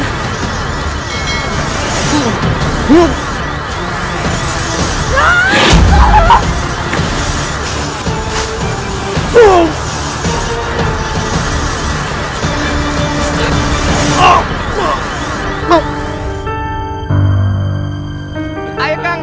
aku harus menolong orang gak puan